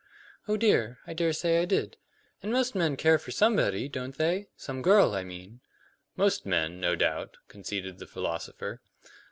"Oh dear, I dare say I did. And most men care for somebody, don't they? Some girl, I mean." "Most men, no doubt," conceded the philosopher.